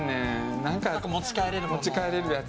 なんか持ち帰れるやつ。